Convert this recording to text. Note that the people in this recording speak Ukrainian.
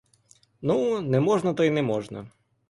Ну, не можна, то й не можна.